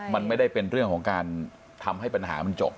มันไม่ได้เป็นเรื่องของการทำให้ปัญหามันจบ